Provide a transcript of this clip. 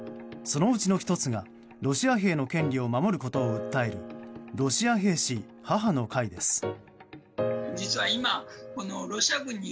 そのうちの１つがロシア兵の権利を守ることを訴えるロシア兵士母の会です。